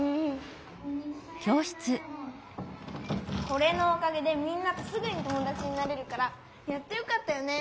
これのおかげでみんなとすぐにともだちになれるからやってよかったよね。